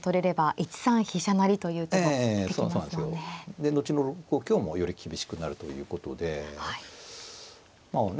で後の６五香もより厳しくなるということでまあね